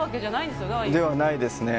ではないですね。